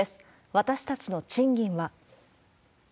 私たちの賃金は。